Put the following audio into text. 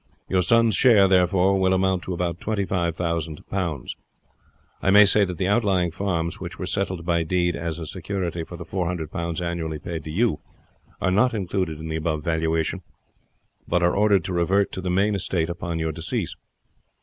Your son's share, therefore, will amount to about twenty five thousand pounds. I may say that the outlying farms, which were settled by deed as a security for the four hundred pounds annually paid to you, are not included in the above valuation, but are ordered to revert to the main estate upon your decease.